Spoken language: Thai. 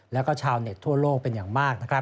แล้วก็ชาวเน็ตทั่วโลกเป็นอย่างมากนะครับ